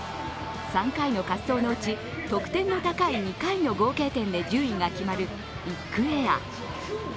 ３回の滑走のうち、得点の高い２回の合計点で順位が決まるビッグエア。